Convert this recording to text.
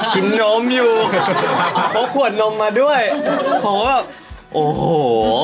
นมอยู่พกขวดนมมาด้วยผมก็โอ้โห